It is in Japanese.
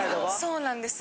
そうなんです。